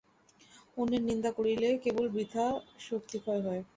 অন্যের নিন্দা করিলে কেবল বৃথা শক্তিক্ষয় হয়।